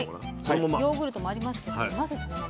ヨーグルトもありますけどまずそのまま。